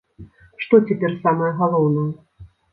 Што цяпер самае галоўнае?